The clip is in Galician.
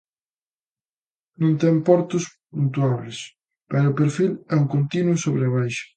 Non ten portos puntuables pero o perfil é un continuo sobe e baixa.